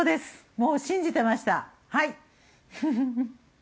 もう、信じてました、はい。